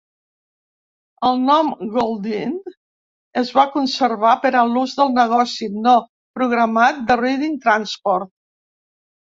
El nom Goldline es va conservar per a l'ús del negoci no programat de Reading Transport.